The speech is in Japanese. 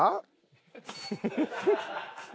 フフフフ！